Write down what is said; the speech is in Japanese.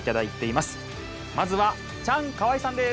まずはチャンカワイさんです。